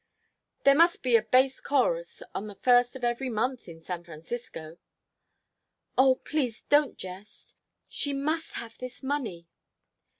"There must be a bass chorus on the first of every month in San Francisco " "Oh, please don't jest. She must have this money."